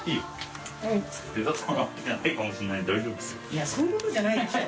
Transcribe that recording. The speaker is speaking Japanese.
いやそういうことじゃないでしょ。